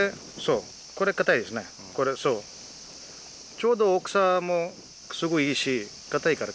ちょうど大きさもすごいいいしかたいから。